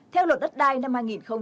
theo luật đất đai năm hai nghìn một mươi